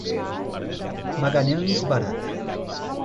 Magalhães Barata